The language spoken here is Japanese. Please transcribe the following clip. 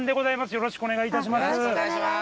よろしくお願いします。